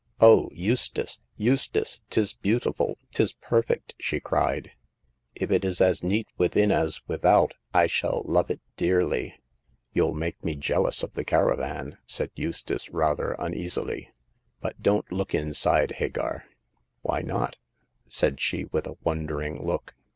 O Eustace, Eustace ! 'Tis beautiful ! 'tis perfect !" she cried. If it is as neat within as without, I shall love it dearly !"You'll make me jealous of the caravan," said Eustace, rather uneasily. But don't look inside, Hagar.*' Why not ?" said she, with a wondering look.